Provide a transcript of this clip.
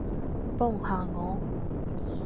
幫下我